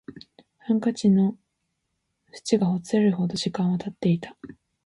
ハンカチの縁がほつれるほど時間は経っていた